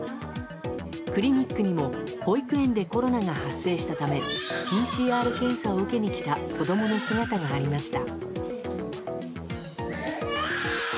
クリニックにも保育園でコロナが発生したためＰＣＲ検査を受けに来た子供の姿がありました。